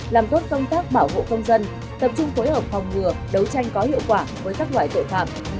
làm tốt công tác bảo hộ công dân tập trung phối hợp phòng ngừa đấu tranh có hiệu quả với các loại tội phạm